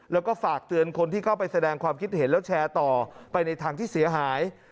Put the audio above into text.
แล้วก็ฝากเตือนคนที่เข้าไปแสดงความคิดเห็นแล้วแชร์ต่อไปในทางที่เสียหาย